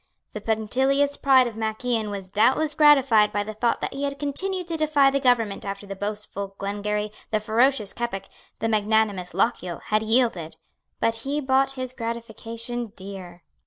The punctilious pride of Mac Ian was doubtless gratified by the thought that he had continued to defy the government after the boastful Glengarry, the ferocious Keppoch, the magnanimous Lochiel had yielded: but he bought his gratification dear.